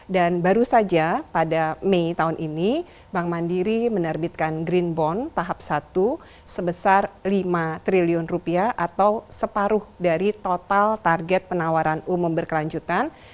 dan baru saja pada mei tahun ini bank mandiri menerbitkan green bond tahap satu sebesar lima triliun rupiah atau separuh dari total target penawaran umum berkelanjutan